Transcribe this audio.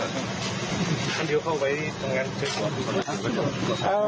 กลุ่มตัวเชียงใหม่